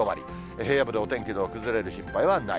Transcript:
平野部でお天気の崩れる心配はない。